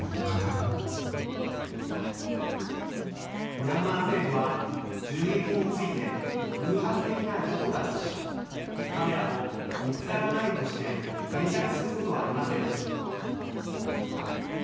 ミャンマー政府は、銃撃について、偶発的な事故だとし、カメラも見つからないとして、返却することはありませんでした。